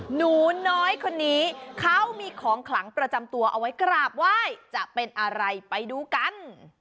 หนูน้อยคนนี้เขามีของขลังประจำตัวเอาไว้กราบไหว้จะเป็นอะไรไปดูกัน